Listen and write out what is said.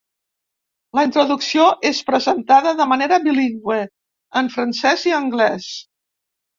La introducció és presentada de manera bilingüe, en francès i anglès.